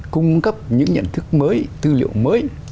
cung cấp những nhận thức mới tư liệu mới